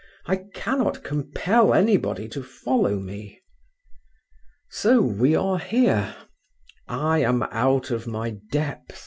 I cannot compel anybody to follow me. "So we are here. I am out of my depth.